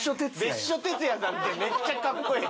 別所哲也さんってめっちゃ格好ええ。